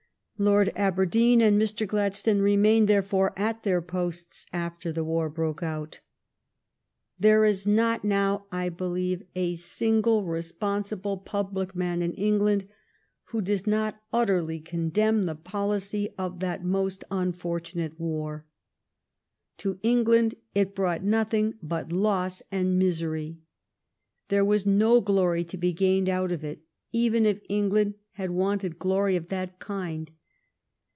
Lord Aberdeen and Mr. Gladstone remained, therefore, at their posts after the war broke out. There is not now, I believe, a single respon sible public man in England who does not utterly condemn the policy of that most unfort unate war. To England it brought nothing but loss and mis ery. There was no glory to be gained out of it, even if England had wanted glory of that kind.